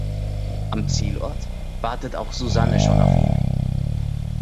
Am Zielort wartet auch Susanne schon auf ihn.